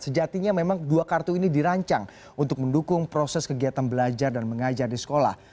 sejatinya memang dua kartu ini dirancang untuk mendukung proses kegiatan belajar dan mengajar di sekolah